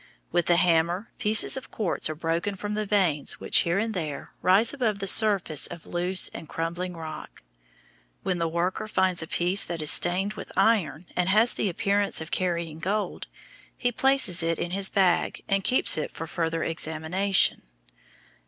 With the hammer, pieces of quartz are broken from the veins which here and there rise above the surface of loose and crumbling rock. When the worker finds a piece that is stained with iron and has the appearance of carrying gold, he places it in his bag and keeps it for further examination.